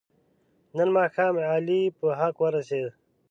نن ماښام علي په حق ورسید.